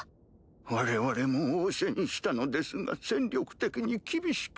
我々も応戦したのですが戦力的に厳しく。